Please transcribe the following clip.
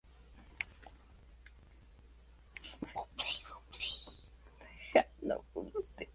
El vencedor actual es Eugenio Mantecón.